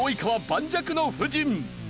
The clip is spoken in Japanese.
盤石の布陣！